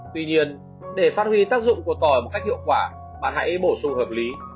tuy nhiên để phát huy tác dụng của tỏ một cách hiệu quả bạn hãy bổ sung hợp lý